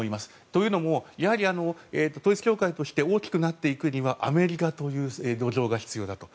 というのも統一教会として大きくなっていくにはアメリカという土壌が必要だと。